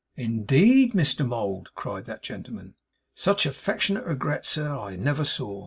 'Indeed, Mr Mould!' cried that gentleman. 'Such affectionate regret, sir, I never saw.